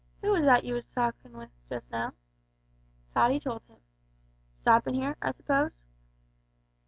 Who was that you was talkin' with just now?" Tottie told him. "Stoppin' here, I s'pose?"